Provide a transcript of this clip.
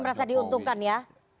jadi merasa diuntungkan ya